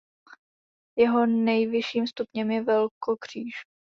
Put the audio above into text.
Jeho nejvyšším stupněm je velkokříž.